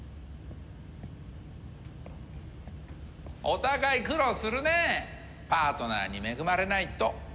お互い苦労するねえパートナーに恵まれないと。